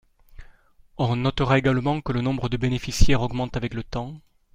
On notera également que le nombre de bénéficiaires augmente avec le temps.